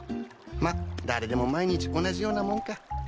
まぁ誰でも毎日同じようなもんか。